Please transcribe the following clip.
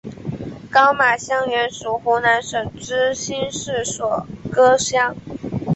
高码乡原属湖南省资兴市所辖乡。